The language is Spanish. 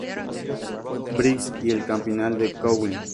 Briggs y el campanil de Coughlin.